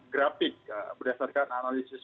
grafik berdasarkan analisis